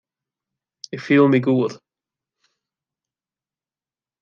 Ik fiel my goed.